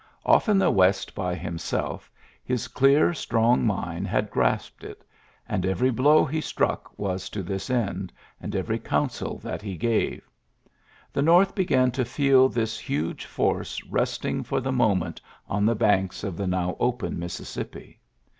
Off in the West )y himself, his clear, strong mind had grasped it; and every blow he struck VBS to this end, and every counsel that le gave. The North began to feel this Luge force resting for the moment on the >anks of the now open Mississippi.